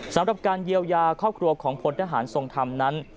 สำหรับการเยียวยาครอบครัวของพลทหารทรงธรรมนั้น